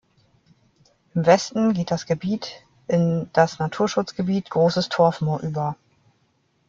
Im Westen geht das Gebiet in das Naturschutzgebiet Großes Torfmoor über.